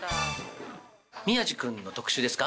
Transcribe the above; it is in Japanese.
宮治君の特集ですか？